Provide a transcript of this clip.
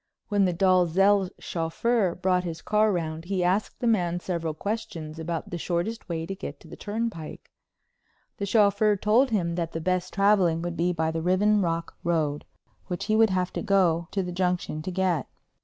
When the Dalzells' chauffeur brought his car round he asked the man several questions about the shortest way to get to the turnpike. The chauffeur told him that the best traveling would be by the Riven Rock Road, which he would have to go to the Junction to get.